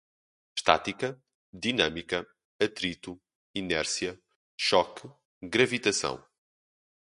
Estática, dinâmica, atrito, inércia, choque, gravitação